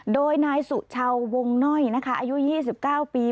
โดยนายสุชาวงน่อยนะคะอายุ๒๙ปี